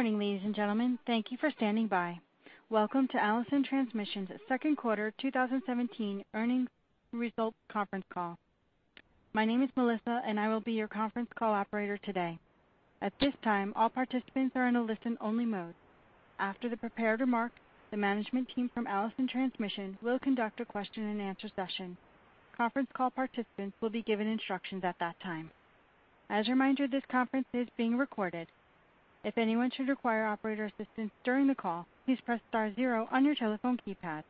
Good morning, ladies and gentlemen. Thank you for standing by. Welcome to Allison Transmission's second quarter 2017 earnings results conference call. My name is Melissa, and I will be your conference call operator today. At this time, all participants are in a listen-only mode. After the prepared remarks, the management team from Allison Transmission will conduct a question-and-answer session. Conference call participants will be given instructions at that time. As a reminder, this conference is being recorded. If anyone should require operator assistance during the call, please press star zero on your telephone keypad.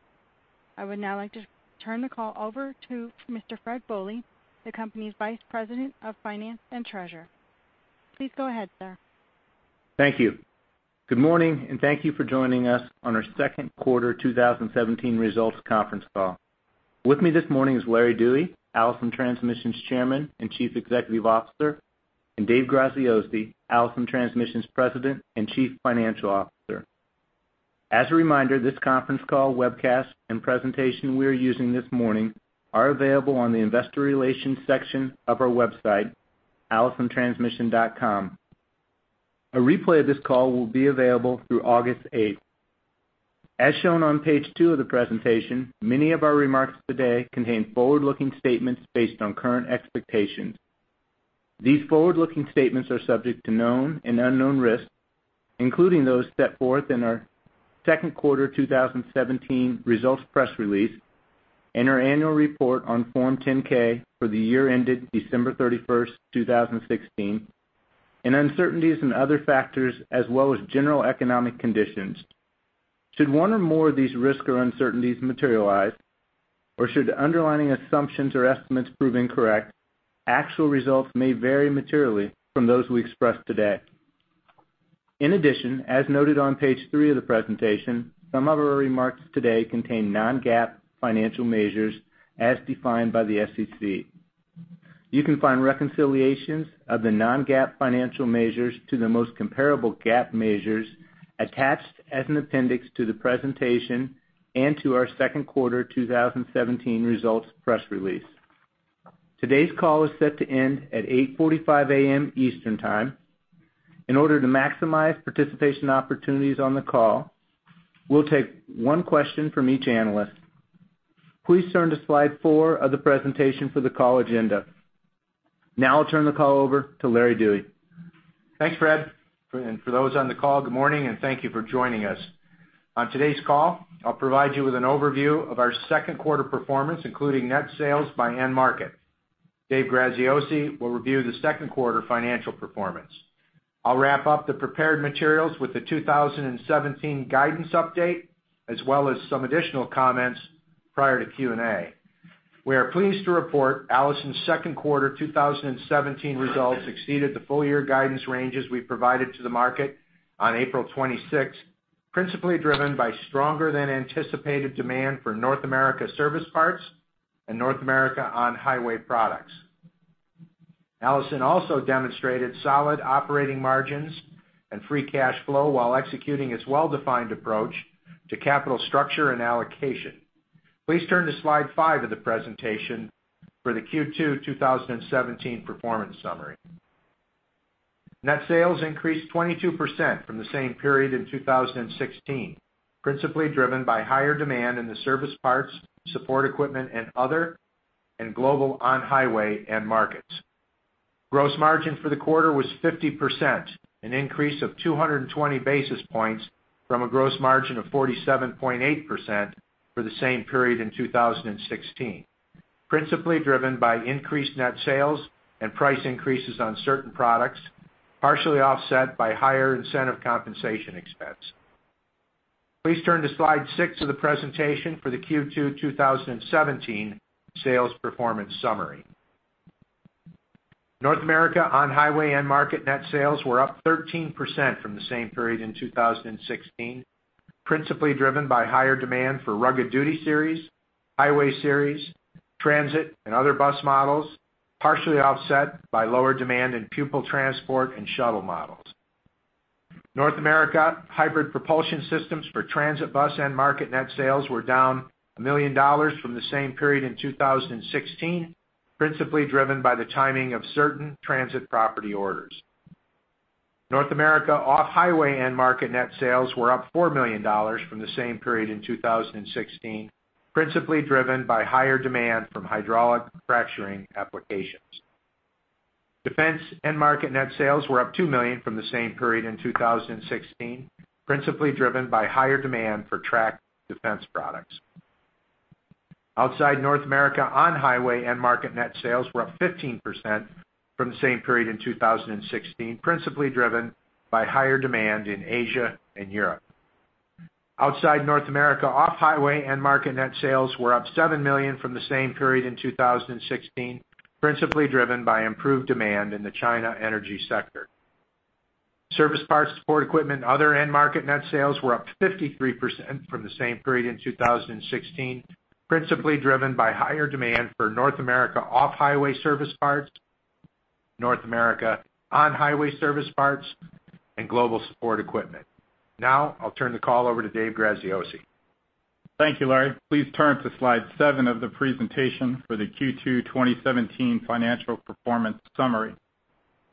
I would now like to turn the call over to Mr. Fred Bohley, the company's Vice President of Finance and Treasurer. Please go ahead, sir. Thank you. Good morning, and thank you for joining us on our second quarter 2017 results conference call. With me this morning is Larry Dewey, Allison Transmission's Chairman and Chief Executive Officer, and Dave Graziosi, Allison Transmission's President and Chief Financial Officer. As a reminder, this conference call, webcast, and presentation we are using this morning are available on the investor relations section of our website, allisontransmission.com. A replay of this call will be available through August 8. As shown on page 2 of the presentation, many of our remarks today contain forward-looking statements based on current expectations. These forward-looking statements are subject to known and unknown risks, including those set forth in our second quarter 2017 results press release and our annual report on Form 10-K for the year ended December 31, 2016, and uncertainties and other factors as well as general economic conditions. Should one or more of these risks or uncertainties materialize, or should underlying assumptions or estimates prove incorrect, actual results may vary materially from those we express today. In addition, as noted on page 3 of the presentation, some of our remarks today contain non-GAAP financial measures as defined by the SEC. You can find reconciliations of the non-GAAP financial measures to the most comparable GAAP measures attached as an appendix to the presentation and to our second quarter 2017 results press release. Today's call is set to end at 8:45 A.M. Eastern Time. In order to maximize participation opportunities on the call, we'll take one question from each analyst. Please turn to slide 4 of the presentation for the call agenda. Now I'll turn the call over to Larry Dewey. Thanks, Fred. And for those on the call, good morning, and thank you for joining us. On today's call, I'll provide you with an overview of our second quarter performance, including net sales by end market. Dave Graziosi will review the second quarter financial performance. I'll wrap up the prepared materials with the 2017 guidance update, as well as some additional comments prior to Q&A. We are pleased to report Allison's second quarter 2017 results exceeded the full-year guidance ranges we provided to the market on April 26, principally driven by stronger than anticipated demand for North America service parts and North America on-highway products. Allison also demonstrated solid operating margins and free cash flow while executing its well-defined approach to capital structure and allocation. Please turn to slide 5 of the presentation for the Q2 2017 performance summary. Net sales increased 22% from the same period in 2016, principally driven by higher demand in the service parts, support equipment, and other, and global on-highway end markets. Gross margin for the quarter was 50%, an increase of 220 basis points from a gross margin of 47.8% for the same period in 2016, principally driven by increased net sales and price increases on certain products, partially offset by higher incentive compensation expense. Please turn to slide 6 of the presentation for the Q2 2017 sales performance summary. North America on-highway end market net sales were up 13% from the same period in 2016, principally driven by higher demand for Rugged Duty Series, Highway Series, transit and other bus models, partially offset by lower demand in pupil transport and shuttle models. North America hybrid propulsion systems for transit bus end market net sales were down $1 million from the same period in 2016, principally driven by the timing of certain transit property orders. North America off-highway end market net sales were up $4 million from the same period in 2016, principally driven by higher demand from hydraulic fracturing applications. Defense end market net sales were up $2 million from the same period in 2016, principally driven by higher demand for tracked defense products. Outside North America, on-highway end market net sales were up 15% from the same period in 2016, principally driven by higher demand in Asia and Europe. Outside North America, off-highway end market net sales were up $7 million from the same period in 2016, principally driven by improved demand in the China energy sector. Service parts, support equipment, other end market net sales were up 53% from the same period in 2016, principally driven by higher demand for North America off-highway service parts, North America on-highway service parts, and global support equipment. Now I'll turn the call over to Dave Graziosi. Thank you, Larry. Please turn to Slide 7 of the presentation for the Q2 2017 financial performance summary.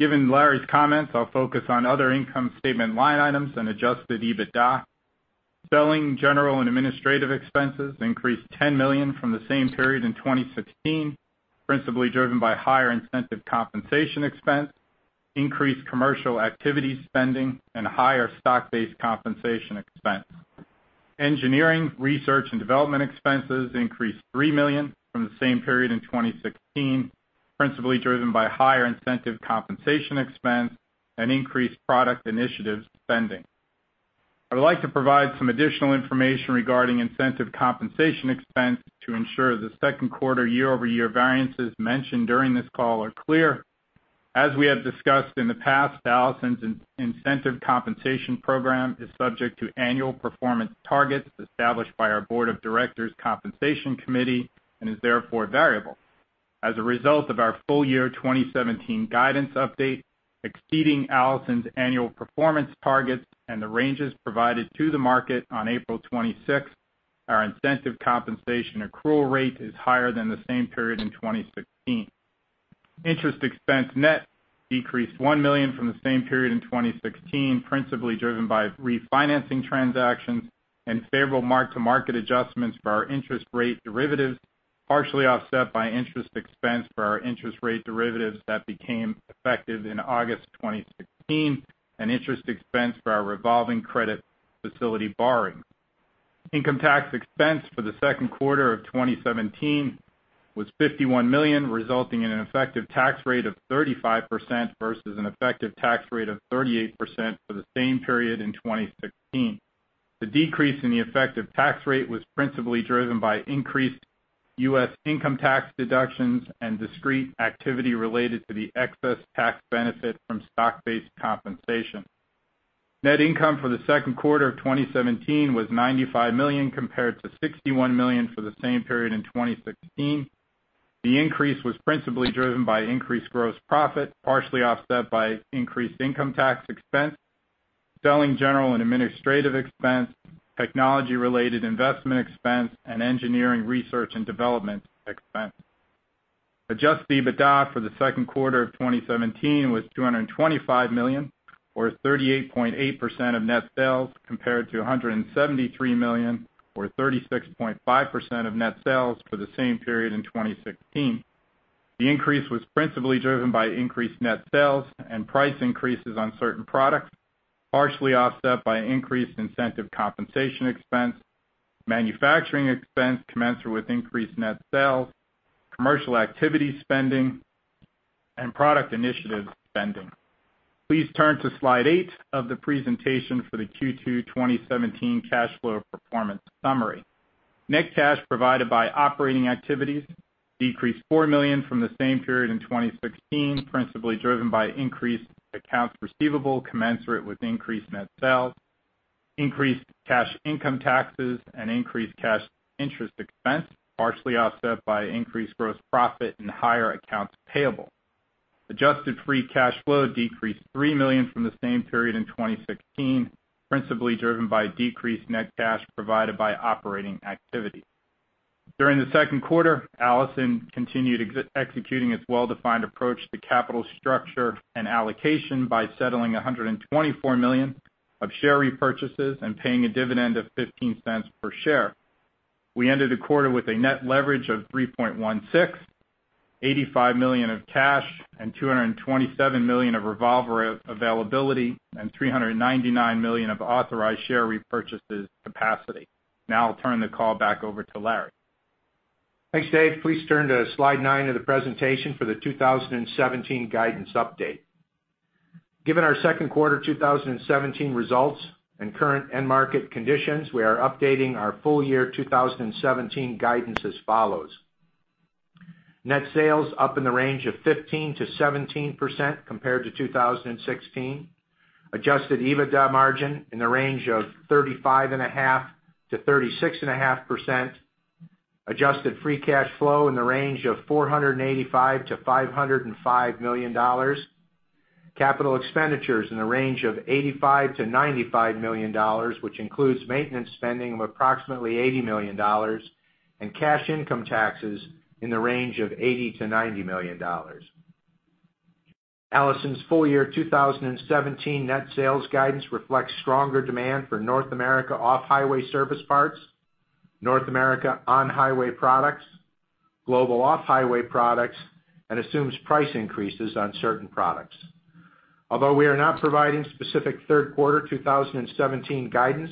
Given Larry's comments, I'll focus on other income statement line items and Adjusted EBITDA. Selling, general, and administrative expenses increased $10 million from the same period in 2016, principally driven by higher incentive compensation expense, increased commercial activity spending, and higher stock-based compensation expense. Engineering, research, and development expenses increased $3 million from the same period in 2016, principally driven by higher incentive compensation expense and increased product initiatives spending. I would like to provide some additional information regarding incentive compensation expense to ensure the second quarter year-over-year variances mentioned during this call are clear. As we have discussed in the past, Allison's incentive compensation program is subject to annual performance targets established by our Board of Directors' Compensation Committee and is therefore variable. As a result of our full year 2017 guidance update, exceeding Allison's annual performance targets and the ranges provided to the market on April 26th, our incentive compensation accrual rate is higher than the same period in 2016. Interest expense net decreased $1 million from the same period in 2016, principally driven by refinancing transactions and favorable mark-to-market adjustments for our interest rate derivatives, partially offset by interest expense for our interest rate derivatives that became effective in August 2016, and interest expense for our revolving credit facility borrowing. Income tax expense for the second quarter of 2017 was $51 million, resulting in an effective tax rate of 35% versus an effective tax rate of 38% for the same period in 2016. The decrease in the effective tax rate was principally driven by increased U.S. income tax deductions and discrete activity related to the excess tax benefit from stock-based compensation. Net income for the second quarter of 2017 was $95 million, compared to $61 million for the same period in 2016. The increase was principally driven by increased gross profit, partially offset by increased income tax expense, selling, general, and administrative expense, technology-related investment expense, and engineering, research, and development expense. Adjusted EBITDA for the second quarter of 2017 was $225 million, or 38.8% of net sales, compared to $173 million, or 36.5% of net sales for the same period in 2016. The increase was principally driven by increased net sales and price increases on certain products, partially offset by increased incentive compensation expense, manufacturing expense commensurate with increased net sales, commercial activity spending, and product initiative spending. Please turn to Slide 8 of the presentation for the Q2 2017 cash flow performance summary. Net cash provided by operating activities decreased $4 million from the same period in 2016, principally driven by increased accounts receivable, commensurate with increased net sales, increased cash income taxes, and increased cash interest expense, partially offset by increased gross profit and higher accounts payable. Adjusted Free Cash Flow decreased $3 million from the same period in 2016, principally driven by decreased net cash provided by operating activities. During the second quarter, Allison continued executing its well-defined approach to capital structure and allocation by settling $124 million of share repurchases and paying a dividend of $0.15 per share. We ended the quarter with a net leverage of 3.16, $85 million of cash, and $227 million of revolver availability, and $399 million of authorized share repurchases capacity. Now I'll turn the call back over to Larry. Thanks, Dave. Please turn to Slide 9 of the presentation for the 2017 guidance update. Given our second quarter 2017 results and current end market conditions, we are updating our full year 2017 guidance as follows: Net sales up in the range of 15%-17% compared to 2016. Adjusted EBITDA margin in the range of 35.5%-36.5%. Adjusted free cash flow in the range of $485 million-$505 million. Capital expenditures in the range of $85 million-$95 million, which includes maintenance spending of approximately $80 million, and cash income taxes in the range of $80 million-$90 million. Allison's full year 2017 net sales guidance reflects stronger demand for North America off-highway service parts, North America on-highway products, global off-highway products, and assumes price increases on certain products. Although we are not providing specific third quarter 2017 guidance,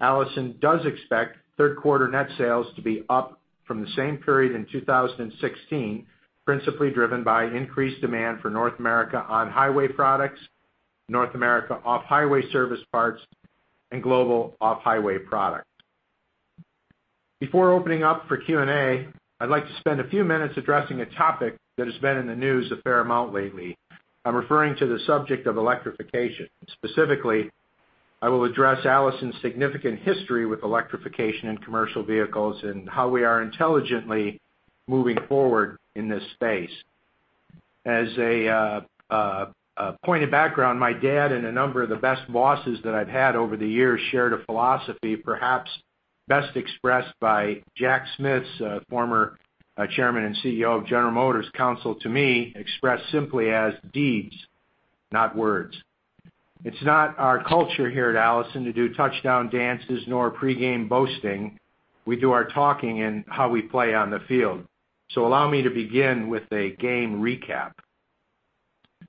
Allison does expect third quarter net sales to be up from the same period in 2016, principally driven by increased demand for North America on-highway products, North America off-highway service parts, and global off-highway products. Before opening up for Q&A, I'd like to spend a few minutes addressing a topic that has been in the news a fair amount lately. I'm referring to the subject of electrification. Specifically, I will address Allison's significant history with electrification in commercial vehicles and how we are intelligently moving forward in this space. As a point of background, my dad and a number of the best bosses that I've had over the years shared a philosophy, perhaps best expressed by Jack Smith, former chairman and CEO of General Motors, counsel to me, expressed simply as, "Deeds, not words." It's not our culture here at Allison to do touchdown dances nor pre-game boasting. We do our talking in how we play on the field. So allow me to begin with a game recap.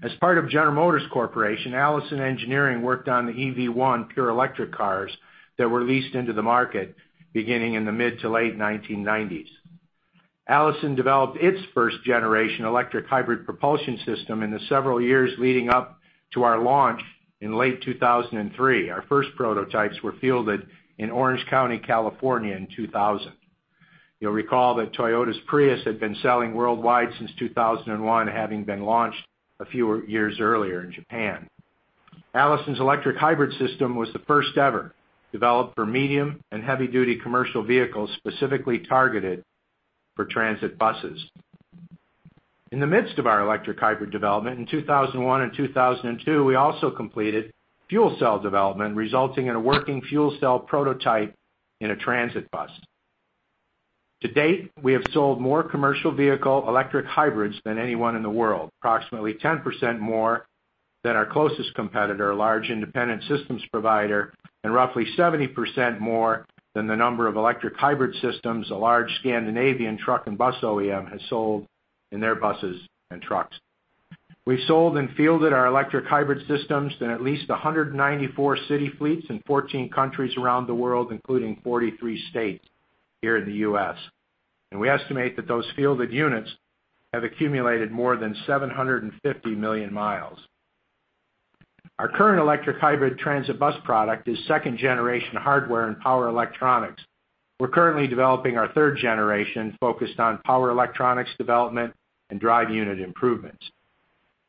As part of General Motors Corporation, Allison Engineering worked on the EV1 pure electric cars that were leased into the market, beginning in the mid to late 1990s. Allison developed its first generation electric hybrid propulsion system in the several years leading up to our launch in late 2003. Our first prototypes were fielded in Orange County, California, in 2000. You'll recall that Toyota's Prius had been selling worldwide since 2001, having been launched a few years earlier in Japan. Allison's electric hybrid system was the first ever developed for medium and heavy-duty commercial vehicles, specifically targeted for transit buses. In the midst of our electric hybrid development, in 2001 and 2002, we also completed fuel cell development, resulting in a working fuel cell prototype in a transit bus. To date, we have sold more commercial vehicle electric hybrids than anyone in the world, approximately 10% more than our closest competitor, a large independent systems provider, and roughly 70% more than the number of electric hybrid systems a large Scandinavian truck and bus OEM has sold in their buses and trucks. We've sold and fielded our electric hybrid systems in at least 194 city fleets in 14 countries around the world, including 43 states here in the U.S. We estimate that those fielded units have accumulated more than 750 million miles. Our current electric hybrid transit bus product is second-generation hardware and power electronics. We're currently developing our third generation, focused on power electronics development and drive unit improvements.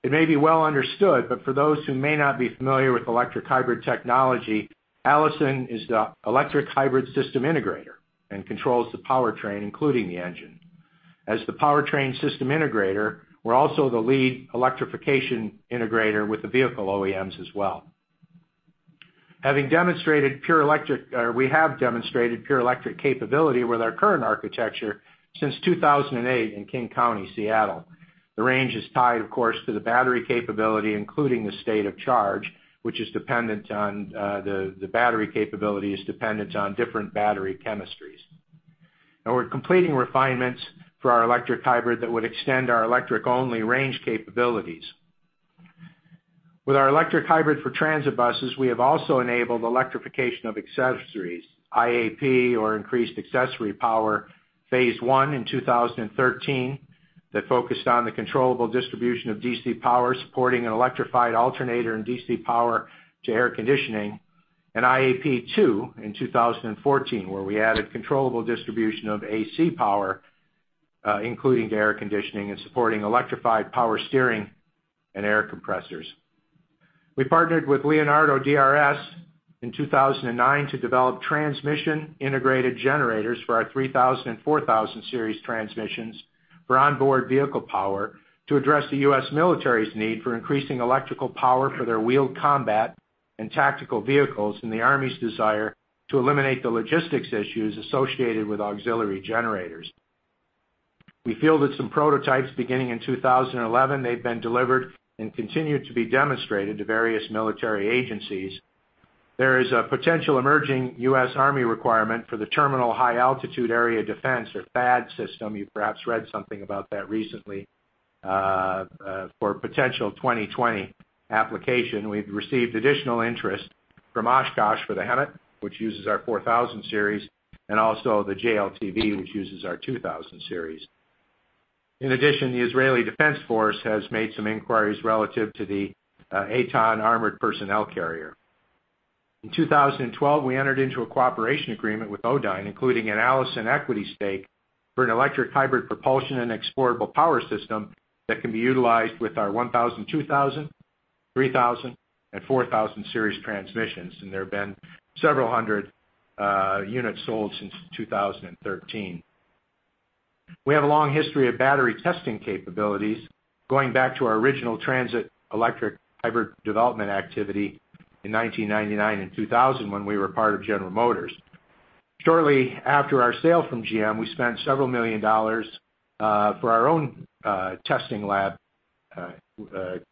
It may be well understood, but for those who may not be familiar with electric hybrid technology, Allison is the electric hybrid system integrator and controls the powertrain, including the engine. As the powertrain system integrator, we're also the lead electrification integrator with the vehicle OEMs as well. We have demonstrated pure electric capability with our current architecture since 2008 in King County, Seattle. The range is tied, of course, to the battery capability, including the state of charge, which is dependent on the battery capability, which is dependent on different battery chemistries. Now we're completing refinements for our electric hybrid that would extend our electric-only range capabilities. With our electric hybrid for transit buses, we have also enabled electrification of accessories, IAP or increased accessory power, phase one in 2013, that focused on the controllable distribution of DC power, supporting an electrified alternator and DC power to air conditioning, and IAP two in 2014, where we added controllable distribution of AC power, including the air conditioning and supporting electrified power steering and air compressors. We partnered with Leonardo DRS in 2009 to develop transmission-integrated generators for our 3000 and 4000 Series transmissions for onboard vehicle power to address the U.S. military's need for increasing electrical power for their wheeled combat and tactical vehicles, and the Army's desire to eliminate the logistics issues associated with auxiliary generators. We fielded some prototypes beginning in 2011, they've been delivered and continue to be demonstrated to various military agencies. There is a potential emerging U.S. Army requirement for the Terminal High Altitude Area Defense, or THAAD system, you've perhaps read something about that recently, for potential 2020 application. We've received additional interest from Oshkosh for the HEMTT, which uses our 4000 Series, and also the JLTV, which uses our 2000 Series. In addition, the Israeli Defense Force has made some inquiries relative to the Eitan armored personnel carrier. In 2012, we entered into a cooperation agreement with Odyne, including an Allison equity stake for an electric hybrid propulsion and exportable power system that can be utilized with our 1000, 2000, 3000, and 4000 Series transmissions, and there have been several hundred units sold since 2013. We have a long history of battery testing capabilities, going back to our original transit electric hybrid development activity in 1999 and 2000, when we were part of General Motors. Shortly after our sale from GM, we spent $several million for our own testing lab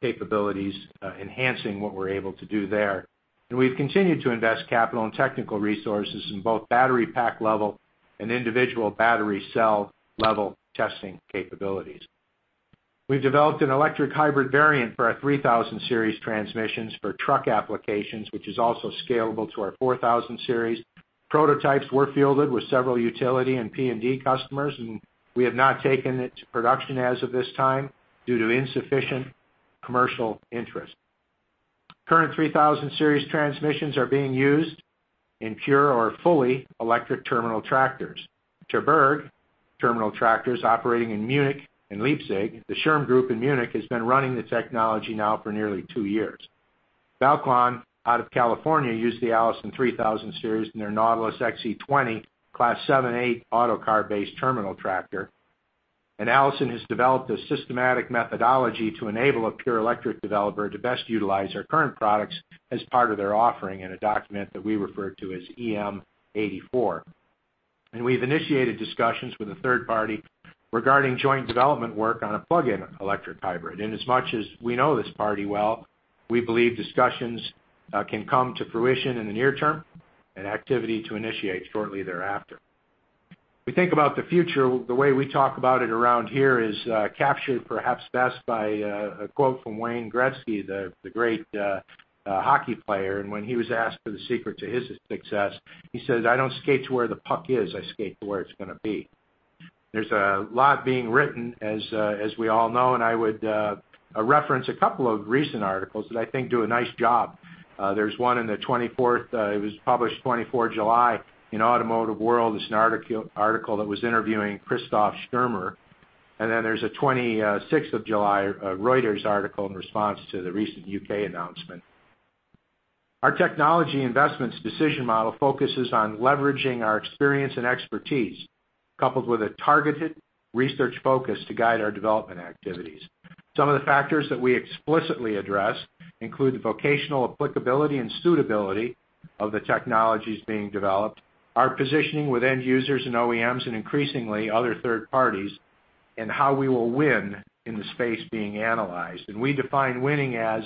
capabilities, enhancing what we're able to do there. And we've continued to invest capital and technical resources in both battery pack level and individual battery cell level testing capabilities. We've developed an electric hybrid variant for our 3000 Series transmissions for truck applications, which is also scalable to our 4000 Series. Prototypes were fielded with several utility and P&D customers, and we have not taken it to production as of this time due to insufficient commercial interest. Current 3000 Series transmissions are being used in pure or fully electric terminal tractors. Terberg terminal tractors operating in Munich and Leipzig, the Scherm Group in Munich, has been running the technology now for nearly two years. Balqon, out of California, used the Allison 3000 Series in their Nautilus XE20 Class 7/8 Autocar-based terminal tractor. Allison has developed a systematic methodology to enable a pure electric developer to best utilize our current products as part of their offering in a document that we refer to as EM 84. We've initiated discussions with a third party regarding joint development work on a plug-in electric hybrid. As much as we know this party well, we believe discussions can come to fruition in the near term and activity to initiate shortly thereafter. We think about the future, the way we talk about it around here is captured, perhaps best by a quote from Wayne Gretzky, the great hockey player. When he was asked for the secret to his success, he said, "I don't skate to where the puck is, I skate to where it's gonna be." There's a lot being written, as, as we all know, and I would reference a couple of recent articles that I think do a nice job. There's one in the 24th, it was published 24 July in Automotive World. It's an article that was interviewing Christoph Stürmer, and then there's a 26th of July, a Reuters article in response to the recent U.K. announcement. Our technology investments decision model focuses on leveraging our experience and expertise, coupled with a targeted research focus to guide our development activities. Some of the factors that we explicitly address include the vocational applicability and suitability of the technologies being developed, our positioning with end users and OEMs, and increasingly, other third parties, and how we will win in the space being analyzed. We define winning as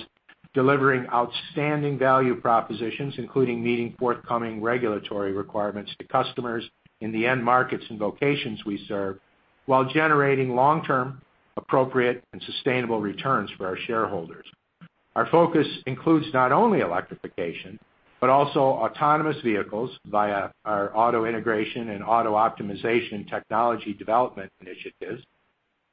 delivering outstanding value propositions, including meeting forthcoming regulatory requirements to customers in the end markets and locations we serve, while generating long-term, appropriate, and sustainable returns for our shareholders. Our focus includes not only electrification, but also autonomous vehicles via our auto integration and auto optimization technology development initiatives,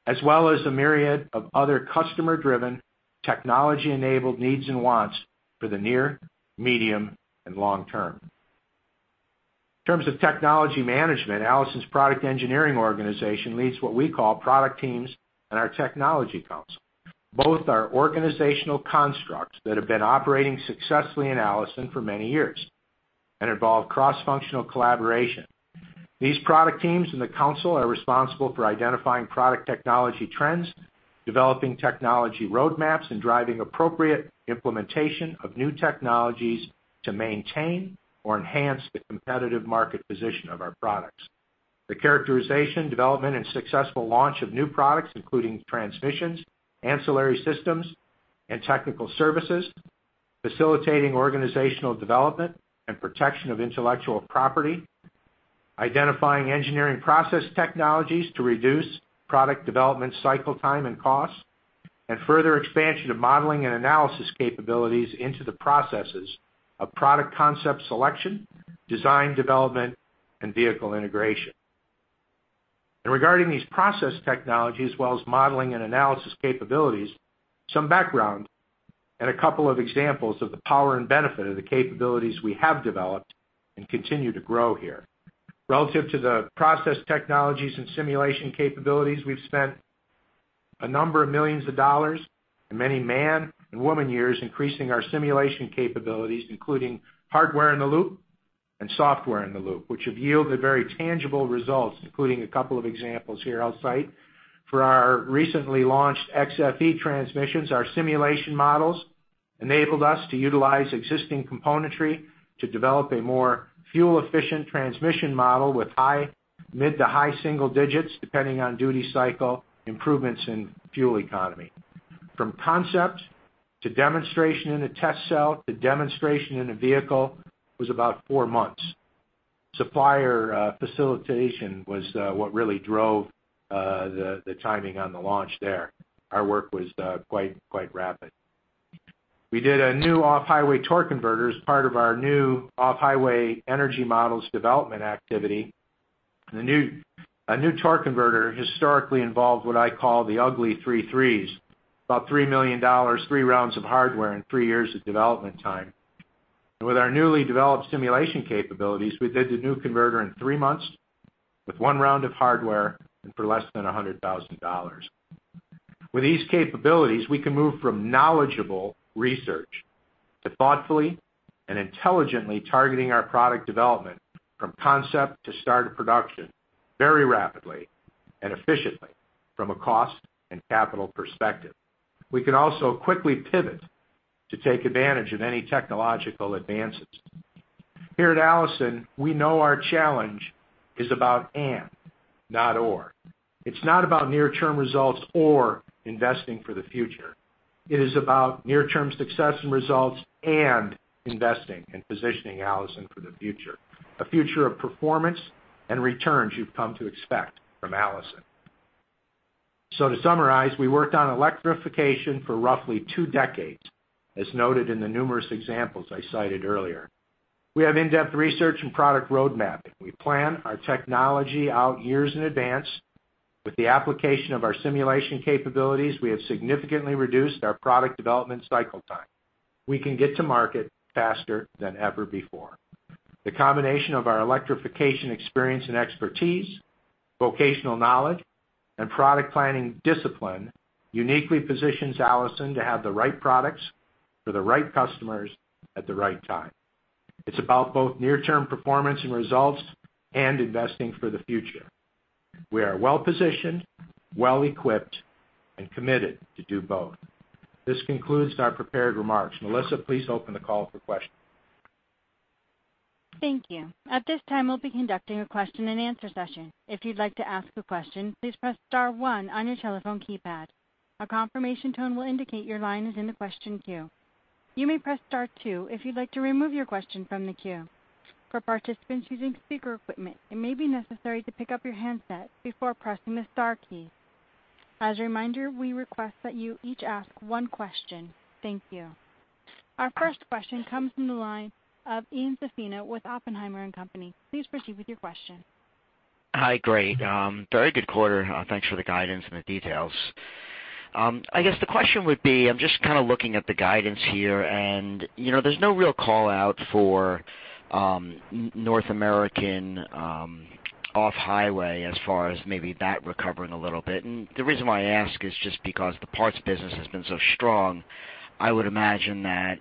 as well as a myriad of other customer-driven, technology-enabled needs and wants for the near, medium, and long term. In terms of technology management, Allison's product engineering organization leads what we call product teams and our technology council. Both are organizational constructs that have been operating successfully in Allison for many years and involve cross-functional collaboration. These product teams and the council are responsible for identifying product technology trends, developing technology roadmaps, and driving appropriate implementation of new technologies to maintain or enhance the competitive market position of our products. The characterization, development, and successful launch of new products, including transmissions, ancillary systems and technical services, facilitating organizational development and protection of intellectual property, identifying engineering process technologies to reduce product development, cycle time, and cost, and further expansion of modeling and analysis capabilities into the processes of product concept selection, design, development, and vehicle integration. Regarding these process technologies, as well as modeling and analysis capabilities, some background and a couple of examples of the power and benefit of the capabilities we have developed and continue to grow here. Relative to the process technologies and simulation capabilities, we've spent a number of millions of dollars and many men and women years increasing our simulation capabilities, including hardware-in-the-loop and software-in-the-loop, which have yielded very tangible results, including a couple of examples here I'll cite. For our recently launched XFE transmissions, our simulation models enabled us to utilize existing componentry to develop a more fuel-efficient transmission model with high-mid to high single digits, depending on duty cycle, improvements in fuel economy. From concept to demonstration in a test cell, to demonstration in a vehicle, was about four months. Supplier facilitation was what really drove the timing on the launch there. Our work was quite rapid. We did a new off-highway torque converter as part of our new off-highway energy models development activity. A new torque converter historically involved what I call the ugly three threes, about $3 million, three rounds of hardware, and three years of development time. With our newly developed simulation capabilities, we did the new converter in three months, with one round of hardware, and for less than $100,000. With these capabilities, we can move from knowledgeable research to thoughtfully and intelligently targeting our product development from concept to start of production, very rapidly and efficiently from a cost and capital perspective. We can also quickly pivot to take advantage of any technological advances. Here at Allison, we know our challenge is about and, not or. It's not about near-term results or investing for the future. It is about near-term success and results and investing and positioning Allison for the future, a future of performance and returns you've come to expect from Allison. To summarize, we worked on electrification for roughly two decades, as noted in the numerous examples I cited earlier. We have in-depth research and product road mapping. We plan our technology out years in advance. With the application of our simulation capabilities, we have significantly reduced our product development cycle time. We can get to market faster than ever before.... The combination of our electrification experience and expertise, vocational knowledge, and product planning discipline uniquely positions Allison to have the right products for the right customers at the right time. It's about both near-term performance and results and investing for the future. We are well-positioned, well-equipped, and committed to do both. This concludes our prepared remarks. Melissa, please open the call for questions. Thank you. At this time, we'll be conducting a question-and-answer session. If you'd like to ask a question, please press star one on your telephone keypad. A confirmation tone will indicate your line is in the question queue. You may press star two if you'd like to remove your question from the queue. For participants using speaker equipment, it may be necessary to pick up your handset before pressing the star key. As a reminder, we request that you each ask one question. Thank you. Our first question comes from the line of Ian Zaffino with Oppenheimer and Company. Please proceed with your question. Hi, great. Very good quarter. Thanks for the guidance and the details. I guess the question would be, I'm just kind of looking at the guidance here, and, you know, there's no real call-out for, North American, off-highway as far as maybe that recovering a little bit. And the reason why I ask is just because the parts business has been so strong, I would imagine that,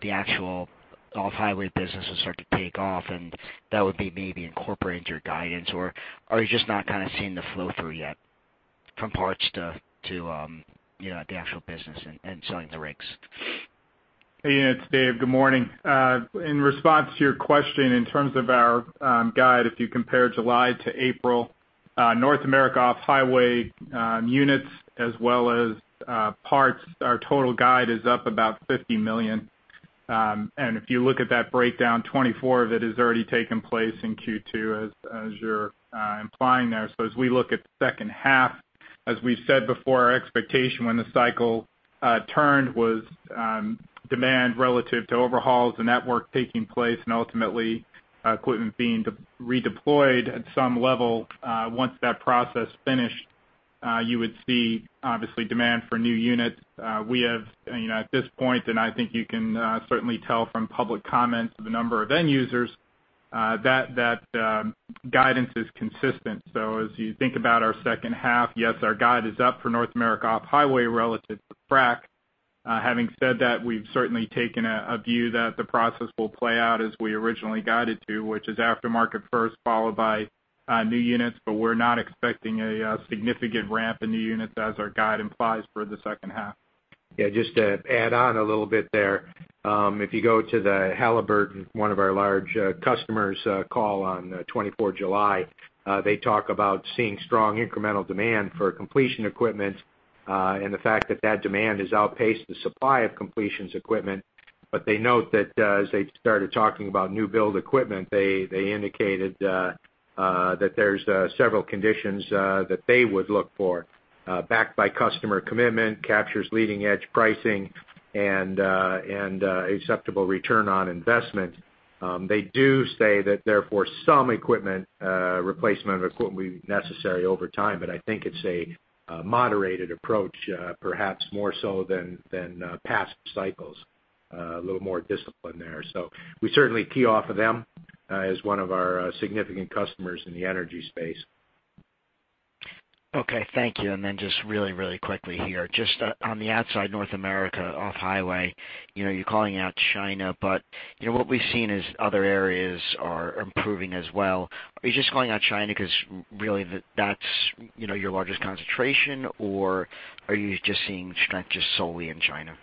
the actual off-highway business will start to take off, and that would be maybe incorporated into your guidance, or are you just not kind of seeing the flow-through yet from parts to, to, you know, the actual business and, and selling the rigs? Hey, Ian, it's Dave. Good morning. In response to your question, in terms of our guide, if you compare July to April, North America off-highway units as well as parts, our total guide is up about $50 million. And if you look at that breakdown, $24 million of it has already taken place in Q2, as you're implying there. So as we look at the second half, as we've said before, our expectation when the cycle turned was demand relative to overhauls, the network taking place and ultimately equipment being redeployed at some level once that process finished, you would see, obviously, demand for new units. We have, you know, at this point, and I think you can certainly tell from public comments of a number of end users that guidance is consistent. So as you think about our second half, yes, our guide is up for North America off-highway relative to frac. Having said that, we've certainly taken a view that the process will play out as we originally guided to, which is aftermarket first, followed by new units, but we're not expecting a significant ramp in new units as our guide implies for the second half. Yeah, just to add on a little bit there, if you go to the Halliburton, one of our large customers call on July 24, they talk about seeing strong incremental demand for completion equipment, and the fact that that demand has outpaced the supply of completions equipment. But they note that, as they started talking about new build equipment, they indicated that there's several conditions that they would look for, backed by customer commitment, captures leading-edge pricing and acceptable return on investment. They do say that therefore, some equipment replacement of equipment will be necessary over time, but I think it's a moderated approach, perhaps more so than past cycles. A little more discipline there. So we certainly key off of them as one of our significant customers in the energy space. Okay. Thank you. Then just really, really quickly here, just on the outside North America off-highway, you know, you're calling out China, but, you know, what we've seen is other areas are improving as well. Are you just calling out China because really the, that's, you know, your largest concentration, or are you just seeing strength just solely in China?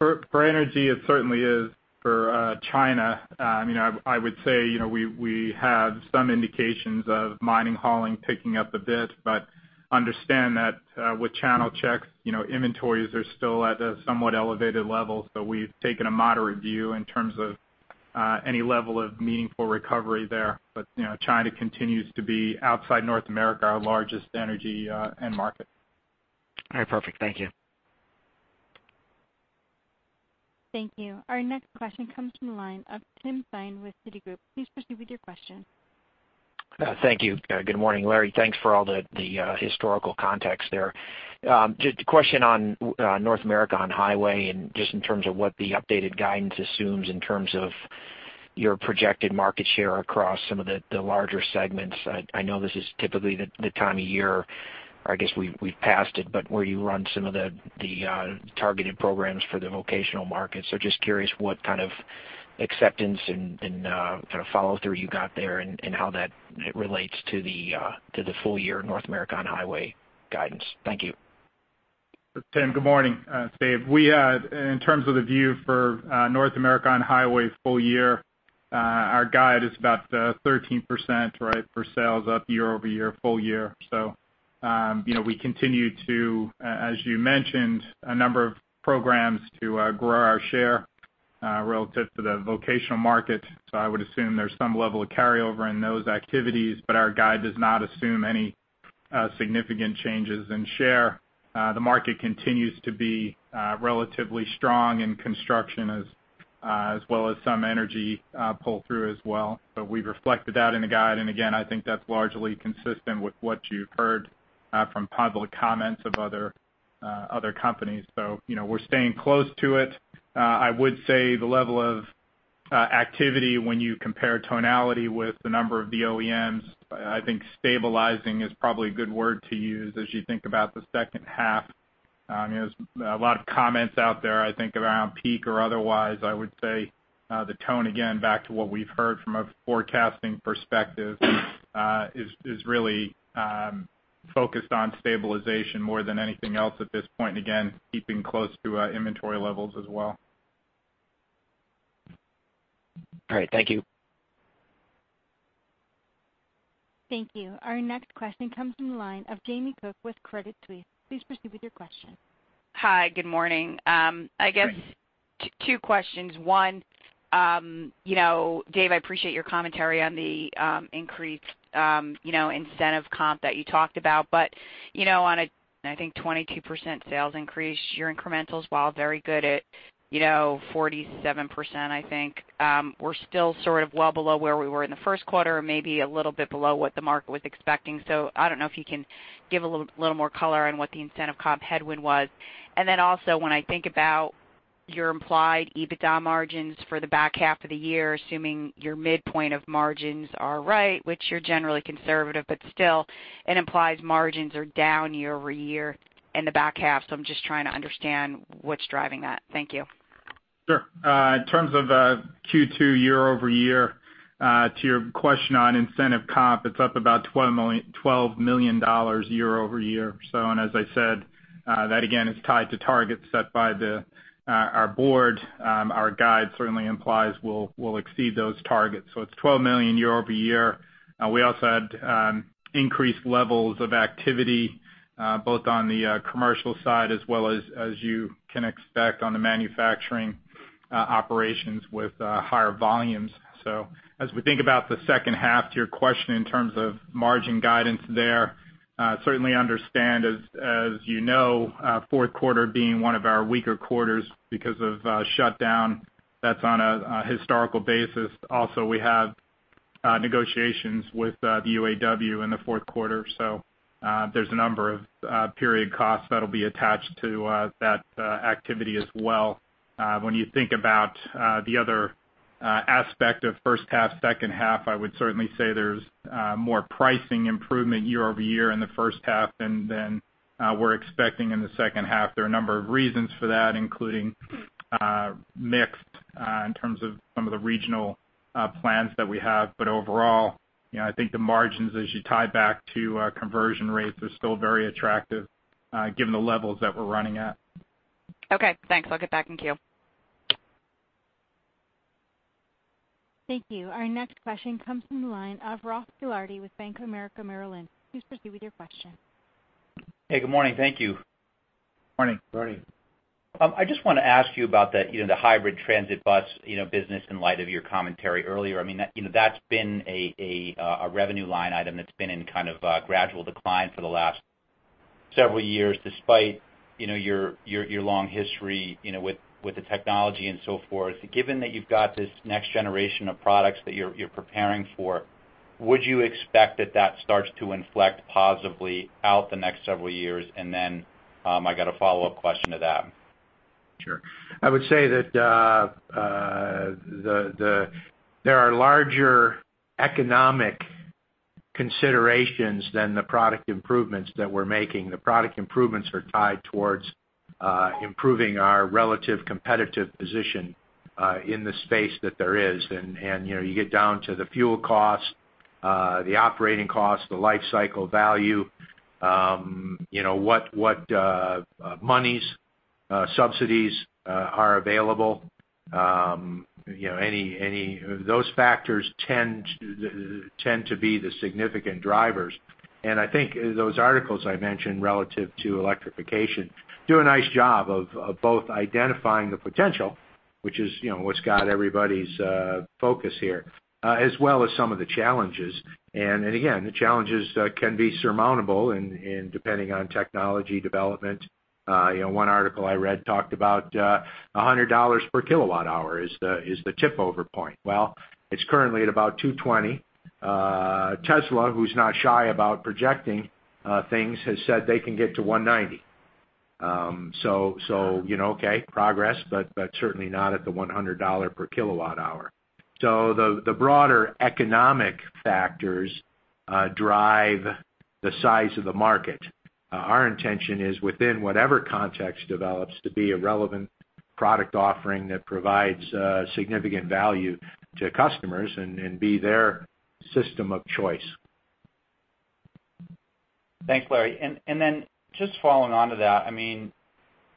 For energy, it certainly is for China. You know, I would say, you know, we have some indications of mining, hauling, picking up a bit, but understand that with channel checks, you know, inventories are still at a somewhat elevated level. So we've taken a moderate view in terms of any level of meaningful recovery there. But, you know, China continues to be, outside North America, our largest energy end market. All right, perfect. Thank you. Thank you. Our next question comes from the line of Timothy Thein with Citigroup. Please proceed with your question. Thank you. Good morning, Larry. Thanks for all the historical context there. Just a question on North America on-highway and just in terms of what the updated guidance assumes in terms of your projected market share across some of the larger segments. I know this is typically the time of year, or I guess we've passed it, but where you run some of the targeted programs for the vocational markets. So just curious what kind of acceptance and kind of follow-through you got there and how that relates to the full year North America on-highway guidance. Thank you. Tim, good morning. It's Dave. We in terms of the view for North America on-highway full year, our guide is about 13%, right? For sales up year-over-year, full year. So, you know, we continue to, as you mentioned, a number of programs to grow our share relative to the vocational market. So I would assume there's some level of carryover in those activities, but our guide does not assume any significant changes in share. The market continues to be relatively strong in construction as well as some energy pull-through as well. But we've reflected that in the guide, and again, I think that's largely consistent with what you've heard from public comments of other companies. So, you know, we're staying close to it. I would say the level of activity when you compare tonality with the number of the OEMs, I think stabilizing is probably a good word to use as you think about the second half. There's a lot of comments out there, I think, around peak or otherwise. I would say the tone, again, back to what we've heard from a forecasting perspective, is really focused on stabilization more than anything else at this point, again, keeping close to inventory levels as well. All right. Thank you. Thank you. Our next question comes from the line of Jamie Cook with Credit Suisse. Please proceed with your question. Hi, good morning. I guess two questions. One, you know, Dave, I appreciate your commentary on the increased, you know, incentive comp that you talked about. But, you know, on a, I think, 22% sales increase, your incrementals, while very good at, you know, 47%, I think, we're still sort of well below where we were in the first quarter, or maybe a little bit below what the market was expecting. So I don't know if you can give a little more color on what the incentive comp headwind was. And then also, when I think about your implied EBITDA margins for the back half of the year, assuming your midpoint of margins are right, which you're generally conservative, but still, it implies margins are down year-over-year in the back half. So I'm just trying to understand what's driving that. Thank you. Sure. In terms of Q2 year-over-year, to your question on incentive comp, it's up about $12 million, $12 million year-over-year. So and as I said, that again is tied to targets set by the our board. Our guide certainly implies we'll, we'll exceed those targets. So it's $12 million year-over-year. We also had increased levels of activity both on the commercial side, as well as, as you can expect on the manufacturing operations with higher volumes. So as we think about the second half, to your question in terms of margin guidance there, certainly understand, as, as you know, fourth quarter being one of our weaker quarters because of shutdown, that's on a historical basis. Also, we have negotiations with the UAW in the fourth quarter, so there's a number of period costs that'll be attached to that activity as well. When you think about the other aspect of first half, second half, I would certainly say there's more pricing improvement year-over-year in the first half than we're expecting in the second half. There are a number of reasons for that, including mix in terms of some of the regional plans that we have. But overall, you know, I think the margins, as you tie back to conversion rates, are still very attractive given the levels that we're running at. Okay, thanks. I'll get back in queue. Thank you. Our next question comes from the line of Ross Gilardi with Bank of America Merrill Lynch. Please proceed with your question. Hey, good morning. Thank you. Morning. Morning. I just want to ask you about the, you know, the hybrid transit bus, you know, business in light of your commentary earlier. I mean, that, you know, that's been a, a, a revenue line item that's been in kind of, gradual decline for the last several years, despite, you know, your long history, you know, with the technology and so forth. Given that you've got this next generation of products that you're preparing for, would you expect that that starts to inflect positively out the next several years? And then, I got a follow-up question to that. Sure. I would say that there are larger economic considerations than the product improvements that we're making. The product improvements are tied towards improving our relative competitive position in the space that there is. And you know, you get down to the fuel costs, the operating costs, the life cycle value, you know, monies, subsidies, are available. You know, those factors tend to be the significant drivers. And I think those articles I mentioned relative to electrification do a nice job of both identifying the potential, which is, you know, what's got everybody's focus here, as well as some of the challenges. And again, the challenges can be surmountable and depending on technology development. You know, one article I read talked about $100 per kWh is the tipping point. Well, it's currently at about $220. Tesla, who's not shy about projecting things, has said they can get to $190. So, you know, okay, progress, but certainly not at the $100 per kWh. So the broader economic factors drive the size of the market. Our intention is within whatever context develops, to be a relevant product offering that provides significant value to customers and be their system of choice. Thanks, Larry. And then just following on to that, I mean,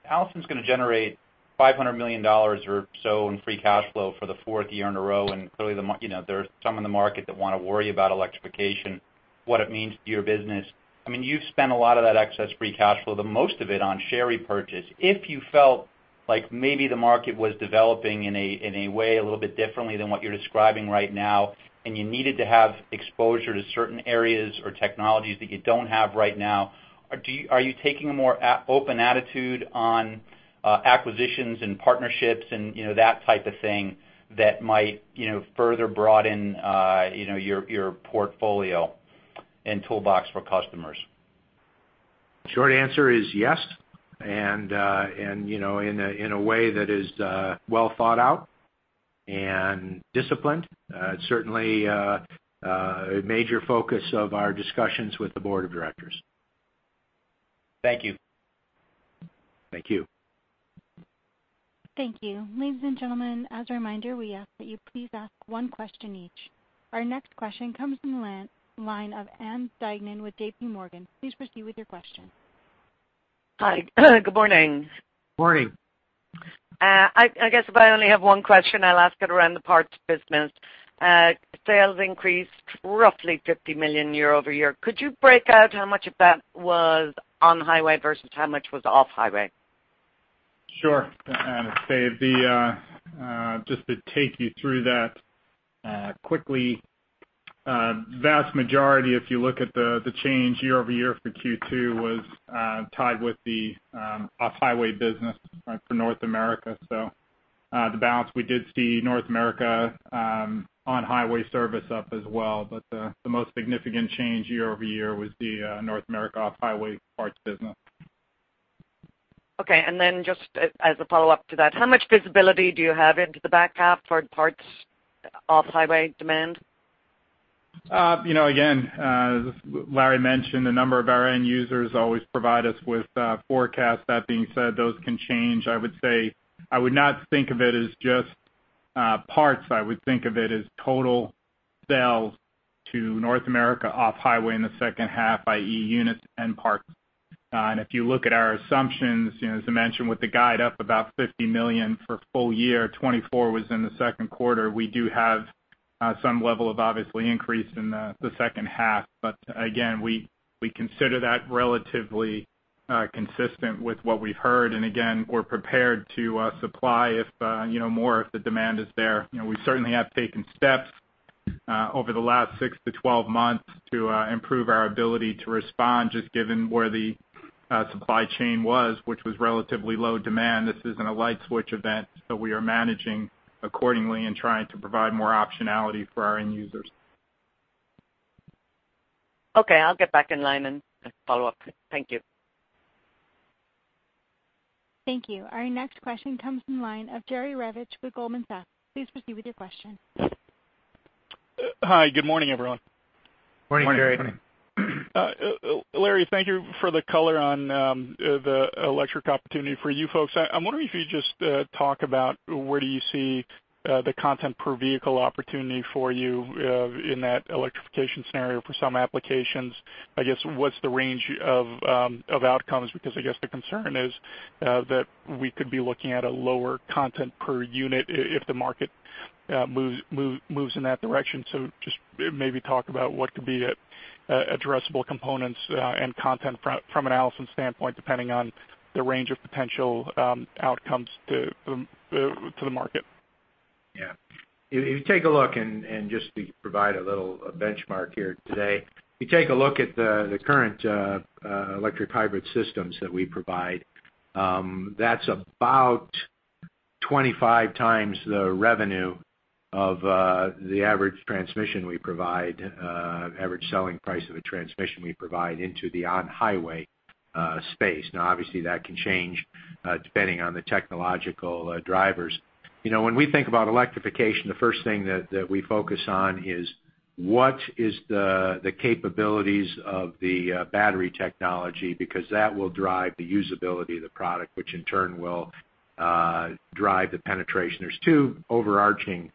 Allison's gonna generate $500 million or so in free cash flow for the fourth year in a row, and clearly, you know, there are some in the market that want to worry about electrification, what it means to your business. I mean, you've spent a lot of that excess free cash flow, but most of it on share repurchase. If you felt like maybe the market was developing in a way a little bit differently than what you're describing right now, and you needed to have exposure to certain areas or technologies that you don't have right now, are you taking a more open attitude on acquisitions and partnerships and, you know, that type of thing that might, you know, further broaden your portfolio and toolbox for customers? Short answer is yes, and you know, in a way that is well thought out and disciplined, certainly a major focus of our discussions with the board of directors. Thank you. Thank you. Thank you. Ladies and gentlemen, as a reminder, we ask that you please ask one question each. Our next question comes from the line of Ann Duignan with J.P. Morgan. Please proceed with your question. Hi, good morning. Morning. I guess if I only have one question, I'll ask it around the parts business. Sales increased roughly $50 million year-over-year. Could you break out how much of that was on-highway versus how much was off-highway? Sure. Anne, it's Dave. The, just to take you through that, quickly. Vast majority, if you look at the, the change year-over-year for Q2, was, tied with the, off-highway business for North America. So, the balance, we did see North America, on-highway service up as well. But the, the most significant change year-over-year was the, North America off-highway parts business. Okay, and then just as a follow-up to that, how much visibility do you have into the back half for parts off-highway demand? You know, again, as Larry mentioned, a number of our end users always provide us with forecasts. That being said, those can change. I would say, I would not think of it as just parts. I would think of it as total sales to North America off-highway in the second half, i.e., units and parts. And if you look at our assumptions, you know, as I mentioned, with the guide up about $50 million for full year 2024 was in the second quarter. We do have some level of obviously increase in the second half. But again, we consider that relatively consistent with what we've heard. And again, we're prepared to supply if, you know, more if the demand is there. You know, we certainly have taken steps over the last 6-12 months to improve our ability to respond, just given where the supply chain was, which was relatively low demand. This isn't a light switch event, but we are managing accordingly and trying to provide more optionality for our end users. Okay, I'll get back in line and follow up. Thank you. Thank you. Our next question comes in line of Jerry Revich with Goldman Sachs. Please proceed with your question. Hi, good morning, everyone. Morning, Jerry. Morning. Larry, thank you for the color on the electric opportunity for you folks. I'm wondering if you just talk about where do you see the content per vehicle opportunity for you in that electrification scenario for some applications. I guess, what's the range of outcomes? Because I guess the concern is that we could be looking at a lower content per unit if the market moves in that direction. So just maybe talk about what could be it addressable components and content from an Allison standpoint, depending on the range of potential outcomes to the market. Yeah. If you take a look and just to provide a little benchmark here today, if you take a look at the current electric hybrid systems that we provide, that's about 25 times the revenue of the average transmission we provide, average selling price of a transmission we provide into the on-highway space. Now, obviously, that can change depending on the technological drivers. You know, when we think about electrification, the first thing that we focus on is what is the capabilities of the battery technology? Because that will drive the usability of the product, which in turn will drive the penetration. There's two overarching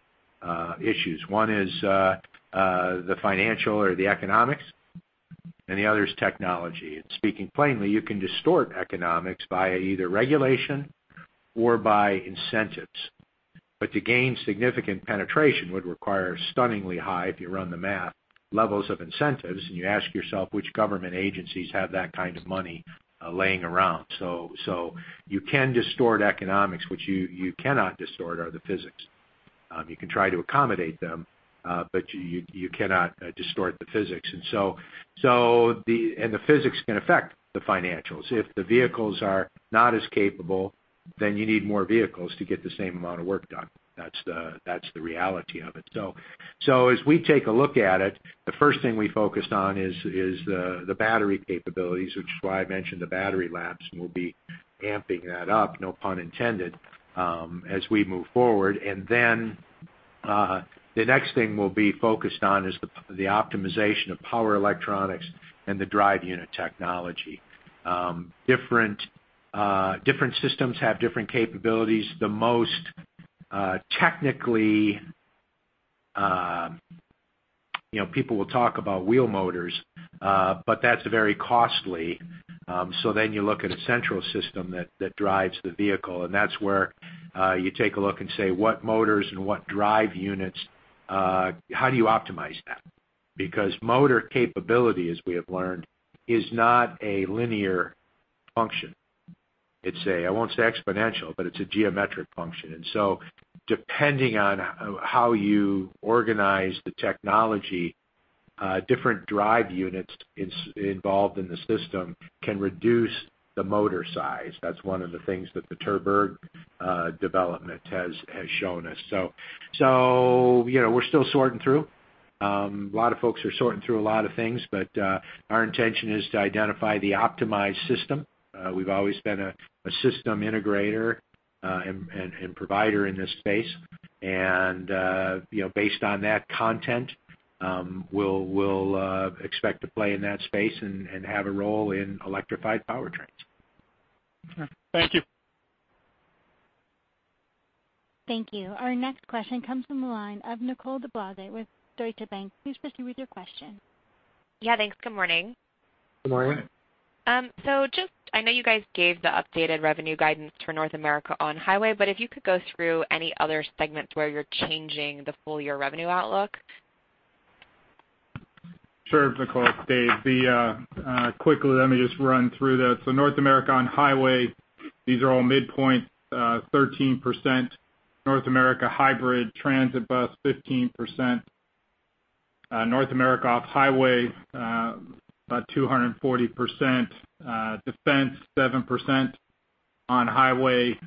issues. One is the financial or the economics, and the other is technology. And speaking plainly, you can distort economics by either regulation or by incentives. But to gain significant penetration would require stunningly high, if you run the math, levels of incentives, and you ask yourself which government agencies have that kind of money, laying around. So you can distort economics, what you cannot distort are the physics. You can try to accommodate them, but you cannot distort the physics. And the physics can affect the financials. If the vehicles are not as capable, then you need more vehicles to get the same amount of work done. That's the reality of it. So as we take a look at it, the first thing we focused on is the battery capabilities, which is why I mentioned the battery labs, and we'll be amping that up, no pun intended, as we move forward. And then, the next thing we'll be focused on is the optimization of power electronics and the drive unit technology. Different systems have different capabilities. The most technically, you know, people will talk about wheel motors, but that's very costly. So then you look at a central system that drives the vehicle, and that's where you take a look and say, what motors and what drive units, how do you optimize that? Because motor capability, as we have learned, is not a linear function. It's a, I won't say exponential, but it's a geometric function. And so, depending on how you organize the technology, different drive units involved in the system can reduce the motor size. That's one of the things that the Terberg development has shown us. You know, we're still sorting through. A lot of folks are sorting through a lot of things, but our intention is to identify the optimized system. We've always been a system integrator and provider in this space. You know, based on that content, we'll expect to play in that space and have a role in electrified powertrains. Thank you. Thank you. Our next question comes from the line of Nicole DeBlase with Deutsche Bank. Please proceed with your question. Yeah, thanks. Good morning. Good morning. So, just, I know you guys gave the updated revenue guidance for North America on-highway, but if you could go through any other segments where you're changing the full-year revenue outlook? Sure, Nicole. Dave, quickly, let me just run through that. So North America on-highway, these are all midpoint, 13%, North America hybrid transit bus, 15%. North America off-highway, about 240%. Defense, 7%. On-highway,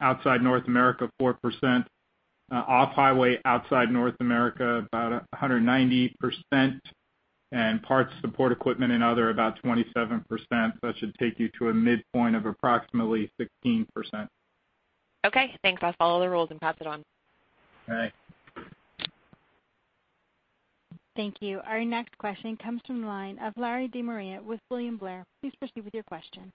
outside North America, 4%. Off-highway, outside North America, about 190%, and parts, support, equipment and other, about 27%. So that should take you to a midpoint of approximately 16%. Okay, thanks. I'll follow the rules and pass it on. All right. Thank you. Our next question comes from the line of Larry DeMaria with William Blair. Please proceed with your question.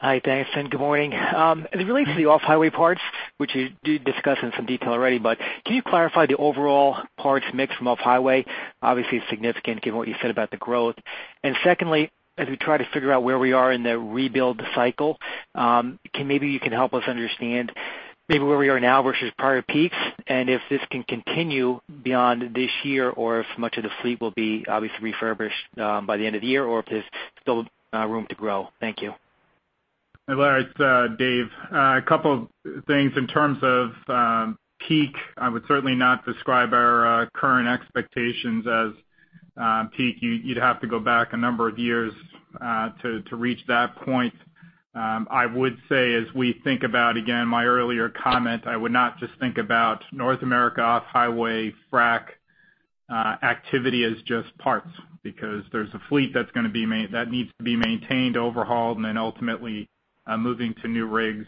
Hi, thanks, and good morning. As it relates to the off-highway parts, which you did discuss in some detail already, but can you clarify the overall parts mix from off-highway? Obviously, it's significant given what you said about the growth. And secondly, as we try to figure out where we are in the rebuild cycle, can maybe you can help us understand maybe where we are now versus prior peaks, and if this can continue beyond this year, or if much of the fleet will be obviously refurbished by the end of the year, or if there's still room to grow. Thank you. Hey, Larry, it's Dave. A couple things. In terms of peak, I would certainly not describe our current expectations as peak. You'd have to go back a number of years to reach that point. I would say, as we think about, again, my earlier comment, I would not just think about North America off-highway frac activity as just parts, because there's a fleet that's gonna be that needs to be maintained, overhauled, and then ultimately moving to new rigs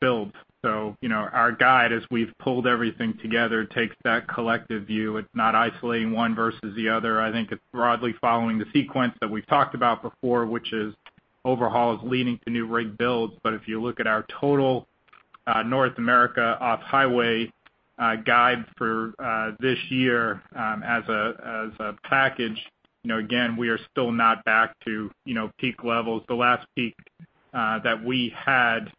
build. So, you know, our guide, as we've pulled everything together, takes that collective view. It's not isolating one versus the other. I think it's broadly following the sequence that we've talked about before, which is overhauls leading to new rig builds. But if you look at our total, North America off-highway, guide for, this year, as a, as a package, you know, again, we are still not back to, you know, peak levels. The last peak, that we had,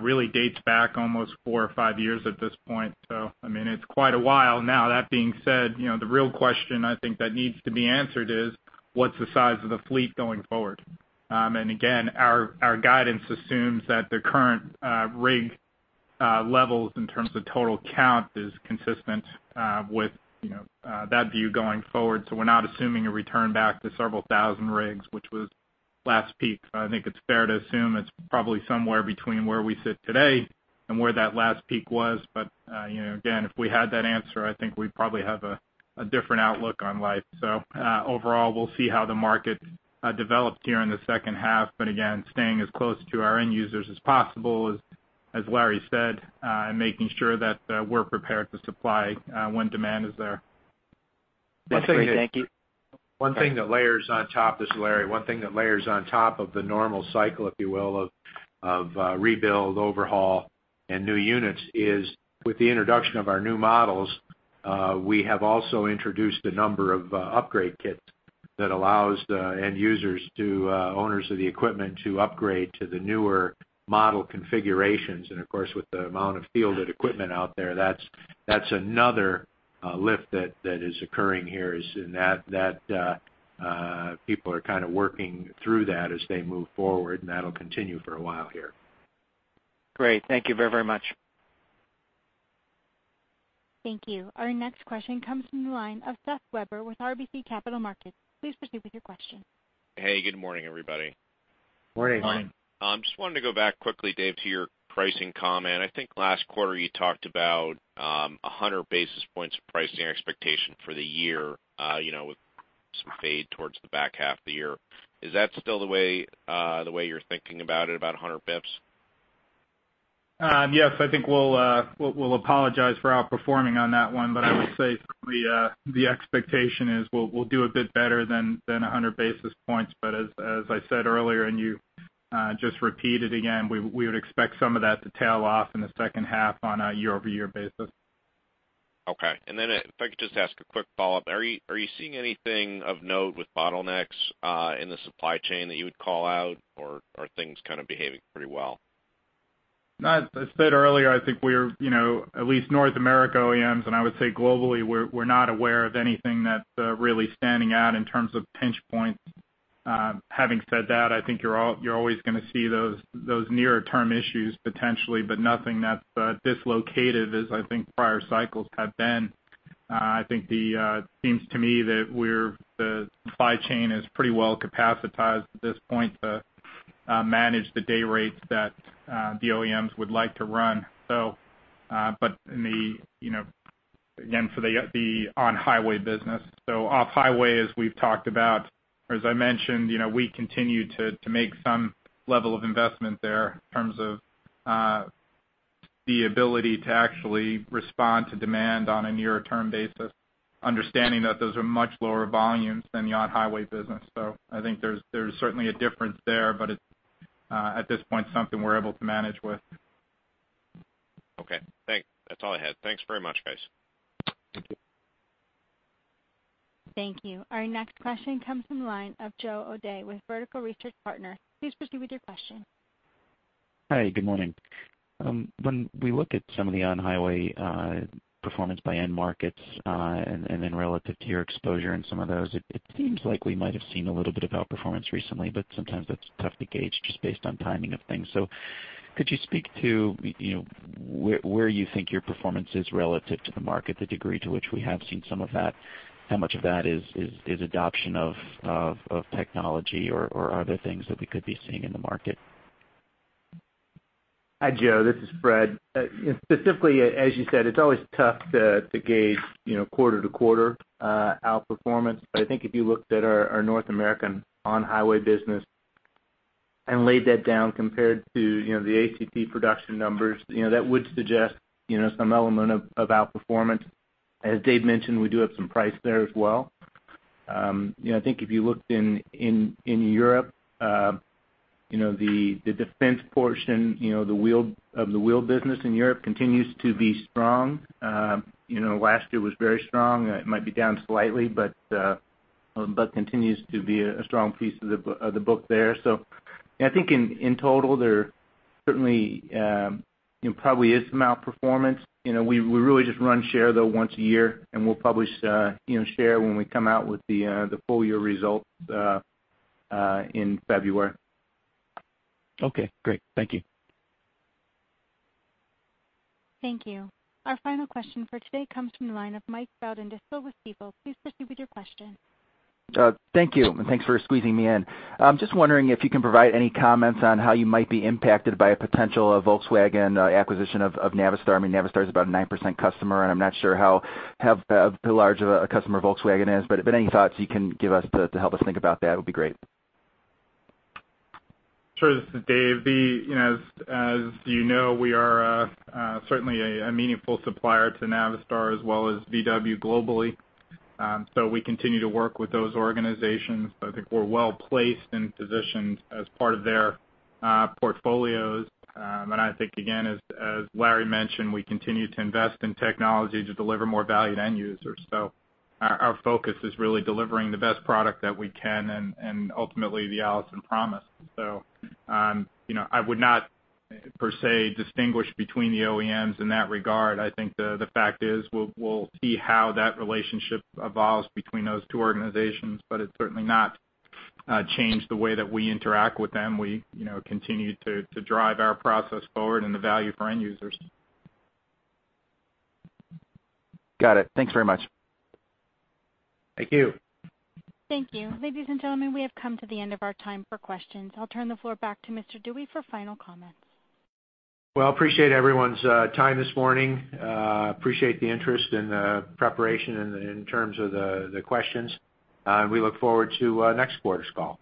really dates back almost four or five years at this point. So, I mean, it's quite a while now. That being said, you know, the real question I think that needs to be answered is, what's the size of the fleet going forward? And again, our, our guidance assumes that the current, rig, levels in terms of total count is consistent, with, you know, that view going forward. So we're not assuming a return back to several thousand rigs, which was last peak. So I think it's fair to assume it's probably somewhere between where we sit today and where that last peak was. But, you know, again, if we had that answer, I think we'd probably have a different outlook on life. So, overall, we'll see how the market develops here in the second half, but again, staying as close to our end users as possible, as Larry said, and making sure that we're prepared to supply when demand is there. Thanks, Larry. Thank you. One thing that layers on top, this is Larry. One thing that layers on top of the normal cycle, if you will, of rebuild, overhaul, and new units is, with the introduction of our new models, we have also introduced a number of upgrade kits that allows the end users to, owners of the equipment to upgrade to the newer model configurations. And of course, with the amount of fielded equipment out there, that's another lift that is occurring here, is in that people are kind of working through that as they move forward, and that'll continue for a while here. Great. Thank you very, very much. Thank you. Our next question comes from the line of Seth Weber with RBC Capital Markets. Please proceed with your question. Hey, good morning, everybody. Morning. I just wanted to go back quickly, Dave, to your pricing comment. I think last quarter, you talked about a hundred basis points of pricing expectation for the year, you know, with some fade towards the back half of the year. Is that still the way, the way you're thinking about it, about a hundred basis points? Yes, I think we'll apologize for outperforming on that one, but I would say the expectation is we'll do a bit better than 100 basis points. But as I said earlier, and you just repeated again, we would expect some of that to tail off in the second half on a year-over-year basis. Okay. And then if I could just ask a quick follow-up. Are you, are you seeing anything of note with bottlenecks in the supply chain that you would call out, or are things kind of behaving pretty well? As I said earlier, I think we're, you know, at least North America OEMs, and I would say globally, we're, we're not aware of anything that's really standing out in terms of pinch points. Having said that, I think you're always gonna see those nearer-term issues potentially, but nothing that's dislocated as I think prior cycles have been. I think it seems to me that the supply chain is pretty well capacitized at this point manage the day rates that the OEMs would like to run, so, but in the, you know, again, for the on-highway business. So off-highway, as we've talked about, or as I mentioned, you know, we continue to make some level of investment there in terms of the ability to actually respond to demand on a nearer-term basis, understanding that those are much lower volumes than the on-highway business. So I think there's certainly a difference there, but it's at this point, something we're able to manage with. Okay. That's all I had. Thanks very much, guys. Thank you. Thank you. Our next question comes from the line of Joe O'Dea with Vertical Research Partners. Please proceed with your question. Hi, good morning. When we look at some of the on-highway performance by end markets, and then relative to your exposure in some of those, it seems like we might have seen a little bit of outperformance recently, but sometimes that's tough to gauge just based on timing of things. So could you speak to, you know, where you think your performance is relative to the market, the degree to which we have seen some of that? How much of that is adoption of technology, or are there things that we could be seeing in the market? Hi, Joe. This is Fred. Specifically, as you said, it's always tough to gauge, you know, quarter to quarter outperformance. But I think if you looked at our North American on-highway business and laid that down compared to, you know, the ACT production numbers, you know, that would suggest, you know, some element of outperformance. As Dave mentioned, we do have some price there as well. You know, I think if you looked in Europe, you know, the defense portion, you know, the wheeled business in Europe continues to be strong. You know, last year was very strong. It might be down slightly, but continues to be a strong piece of the backlog there. So I think in total, there certainly, you know, probably is some outperformance. You know, we really just run share, though, once a year, and we'll publish, you know, share when we come out with the full year results in February. Okay, great. Thank you. Thank you. Our final question for today comes from the line of Mike Baudendistel with Stifel. Please proceed with your question. Thank you, and thanks for squeezing me in. I'm just wondering if you can provide any comments on how you might be impacted by a potential Volkswagen acquisition of Navistar. I mean, Navistar is about a 9% customer, and I'm not sure how large of a customer Volkswagen is, but if any thoughts you can give us to help us think about that, would be great. Sure. This is Dave. As you know, we are certainly a meaningful supplier to Navistar as well as VW globally. So we continue to work with those organizations, but I think we're well placed and positioned as part of their portfolios. And I think, again, as Larry mentioned, we continue to invest in technology to deliver more value to end users. So our focus is really delivering the best product that we can and ultimately, the Allison promise. So, you know, I would not per se distinguish between the OEMs in that regard. I think the fact is we'll see how that relationship evolves between those two organizations, but it's certainly not changed the way that we interact with them. We, you know, continue to drive our process forward and the value for end users. Got it. Thanks very much. Thank you. Thank you. Ladies and gentlemen, we have come to the end of our time for questions. I'll turn the floor back to Mr. Dewey for final comments. Well, I appreciate everyone's time this morning. Appreciate the interest and preparation in terms of the questions. We look forward to next quarter's call.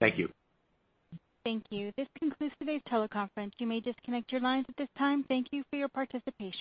Thank you. Thank you. This concludes today's teleconference. You may disconnect your lines at this time. Thank you for your participation.